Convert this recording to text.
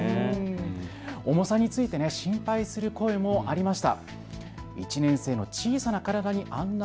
重さについて心配する声もありました。